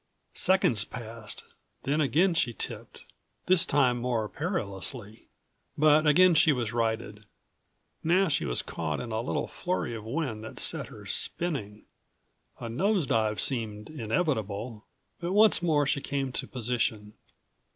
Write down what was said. Seconds passed, then again she tipped, this time more perilously. But again she was righted. Now she was caught in a little flurry of wind that set her spinning. A nose dive seemed inevitable, but once more she came to position.